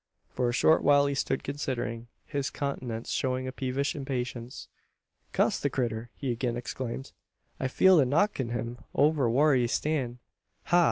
For a short while he stood considering, his countenance showing a peevish impatience. "Cuss the critter!" he again exclaimed. "I feel like knockin' him over whar he stan's. Ha!